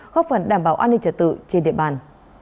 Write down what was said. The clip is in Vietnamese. góp phần đảm bảo an ninh trật tự trên địa bàn